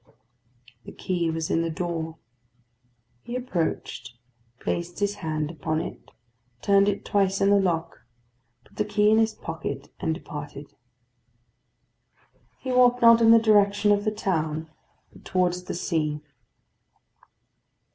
The key was in the door. He approached; placed his hand upon it; turned it twice in the lock, put the key in his pocket, and departed. He walked not in the direction of the town, but towards the sea.